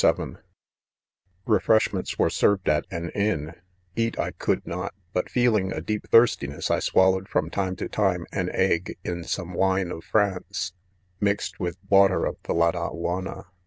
c Refreshments were served at an inn \ eat I could not, hut feeling a deep thirstiness, I swal lowed from time to time, an egg, in some wine of France, mixed with water of the Ladaiianna.